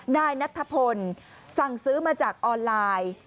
นายนัทธพลสั่งซื้อมาจากออนไลน์